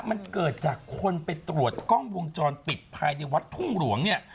มันเกิดจากคนไปตรวจกล้องวงจรปิดภายในวัดทุ่งหลวงเนี่ย